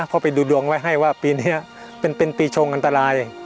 เพราะไปดูดวงไว้ให้ว่าปีนี้เป็นปีชงอันตราย